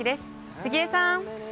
杉江さん。